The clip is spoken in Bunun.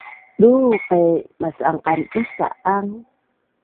duuq i mas’an qan dusa ang?